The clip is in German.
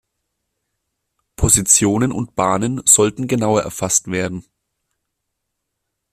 Positionen und Bahnen sollten genauer erfasst werden.